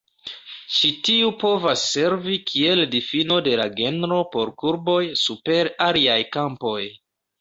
Ĉi tiu povas servi kiel difino de la genro por kurboj super aliaj kampoj.